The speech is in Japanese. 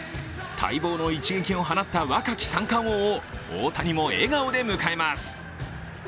待望の一撃を放った若き三冠王を大谷も笑顔で迎えます。